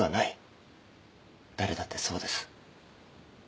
誰だってそうです。